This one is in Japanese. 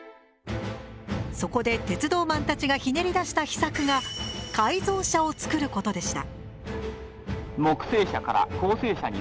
そこで鉄道マンたちがひねり出した秘策が改造車を作ることでした。